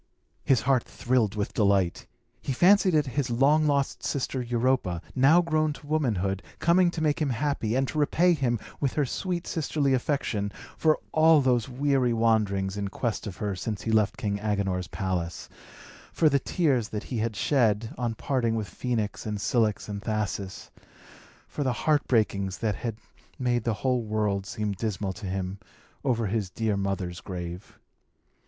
His heart thrilled with delight. He fancied it his long lost sister Europa, now grown to womanhood, coming to make him happy, and to repay him, with her sweet sisterly affection, for all those weary wanderings in quest of her since he left King Agenor's palace for the tears that he had shed, on parting with Phœnix, and Cilix, and Thasus for the heart breakings that had made the whole world seem dismal to him over his dear mother's grave.